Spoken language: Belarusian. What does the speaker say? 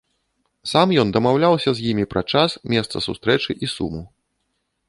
Сам ён дамаўляўся з імі пра час, месца сустрэчы і суму.